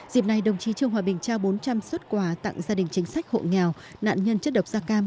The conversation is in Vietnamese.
dịp này đồng chí trương hòa bình trao bốn trăm linh xuất quà tặng gia đình chính sách hộ nghèo nạn nhân chất độc da cam